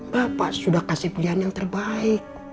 bapak sudah kasih pilihan yang terbaik